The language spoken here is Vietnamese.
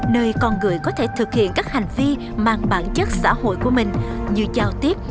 nơi con người có thể thực hiện các hành vi mang bản chất xã hội của mình như giao tiếp